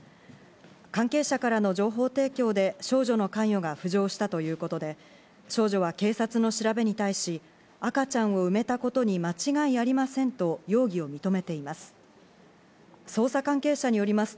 関係者からの情報提供で少女の関与が浮上したということで、少女は警察の調べに対し、赤ちゃんを埋めたことに間違いありませんと容疑を認めています。